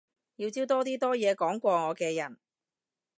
要招多啲多嘢講過我嘅人